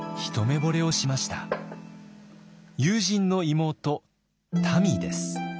友人の妹たみです。